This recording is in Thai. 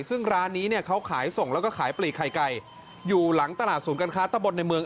ซึ่งร้านนี้เนี่ยเขาขายส่งแล้วก็ขายปลีกไข่ไก่อยู่หลังตลาดศูนย์การค้าตะบนในเมือง